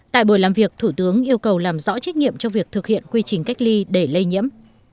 tại buổi làm việc thủ tướng yêu cầu làm rõ trách nhiệm cho việc thực hiện quy trình cách ly để lây nhiễm